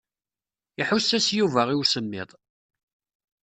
Iḥuss-as Yuba i usemmiḍ.